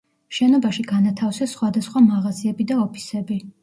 შენობაში განათავსეს სხვადასხვა მაღაზიები და ოფისები.